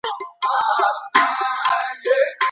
د سیند غاړې شاړي نه دي.